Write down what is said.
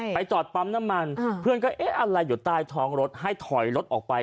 จอดปั๊มน้ำมันเพื่อนก็เอ๊ะอะไรอยู่ใต้ท้องรถให้ถอยรถออกไป